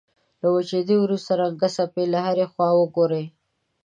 له وچېدو وروسته رنګه خپې له هرې خوا وګورئ.